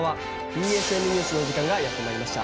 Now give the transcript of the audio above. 「ＢＳＮＮＥＷＳ」の時間がやってまいりました。